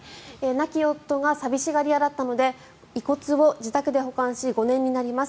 亡き夫が寂しがり屋だったので遺骨を自宅で保管し５年になります